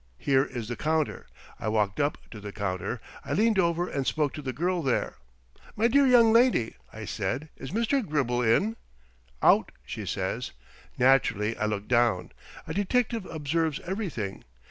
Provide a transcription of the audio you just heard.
Here is the counter. I walked up to the counter. I leaned over and spoke to the girl there. 'My dear young lady,' I said, 'is Mr. Gribble in?' 'Out,' she says. Naturally, I looked down. A detective observes everything.